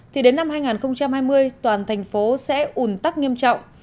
thì đến năm hai nghìn hai mươi toàn thành phố sẽ ủn tắc nghiêm trọng